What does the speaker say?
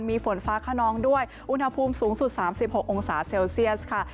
มีฝนฟ้าขนองด้วยอุณหภูมิสูงสุด๓๖องศาเซลเซียสค่ะ